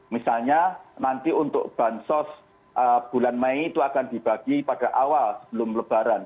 misalnya nanti untuk bansos bulan mei itu akan dibagi pada awal sebelum lebaran